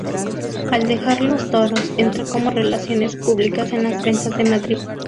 Al dejar los toros entró como relaciones públicas en las ventas de Madrid.